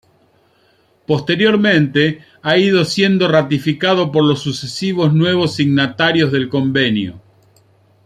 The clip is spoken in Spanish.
Posteriormente, ha ido siendo ratificado por los sucesivos nuevos signatarios del Convenio.